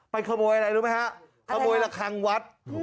ขโมยอะไรรู้ไหมฮะขโมยระคังวัด